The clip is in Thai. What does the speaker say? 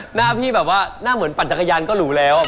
หน้าพี่แบบว่าหน้าเหมือนปั่นจักรยานก็หรูแล้ว